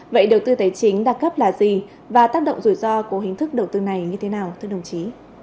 vậy đầu tư tài chính đa cấp là gì và tác động rủi ro của hình thức đầu tư này như thế nào thưa đồng chí